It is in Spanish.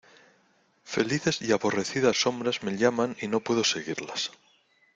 ¡ felices y aborrecidas sombras: me llaman y no puedo seguirlas!